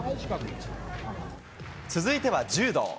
続いては柔道。